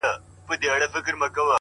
مه وايه دا چي اور وړي خوله كي،